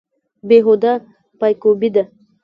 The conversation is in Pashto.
بې هوده پایکوبي ده.